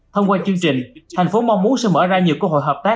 thông qua chương trình thành phố mong muốn sẽ mở ra nhiều cơ hội hợp tác